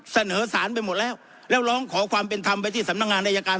เสนอสารไปหมดแล้วแล้วร้องขอความเป็นธรรมไปที่สำนักงานอายการ